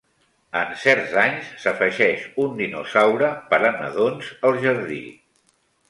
En certs anys, s'afegeix un dinosaure per a nadons al jardí.